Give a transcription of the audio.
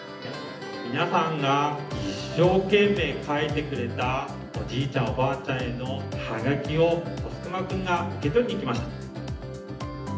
皆さんが一生懸命書いてくれたおじいちゃん、おばあちゃんへのはがきを、ぽすくまくんが受け取りに来ました。